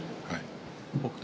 北勝